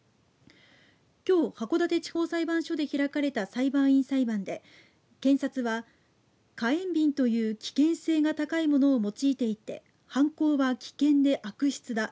きょう、函館地方裁判所で開かれた裁判員裁判で検察は、火炎びんという危険性が高いものを用いていて犯行は危険で悪質だ。